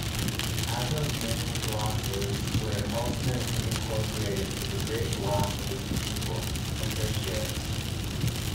Azo's many glosses were ultimately incorporated into the Great Gloss of his pupil, Accursius.